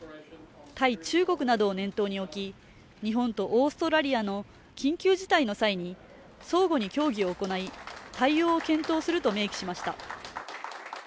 対中国などを念頭に置き、日本とオーストラリアの緊急事態の際に相互に協議を行い、対応を検討すると明記しました。